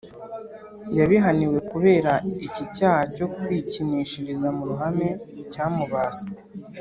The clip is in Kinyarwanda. Yabihaniwe kubera iki cyaha cyo kwikinishiriza mu ruhame cyamubase.